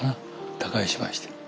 他界しまして。